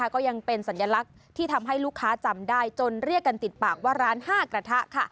ก็ยังเป็นสัญลักษณ์ที่ทำให้ลูกค้าจำได้จนเรียกกันติดปากว่าร้าน๕กระทะ